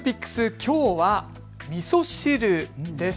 きょうは、みそ汁です。